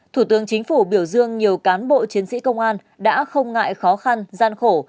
thủ tướng chính phủ biểu dương nhiều cán bộ chiến sĩ công an đã không ngại khó khăn gian khổ